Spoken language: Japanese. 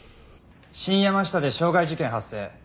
新山下で傷害事件発生。